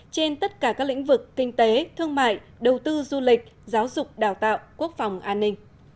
trên tất cả các lĩnh vực kinh tế thương mại đầu tư du lịch giáo dục đào tạo quốc phòng an ninh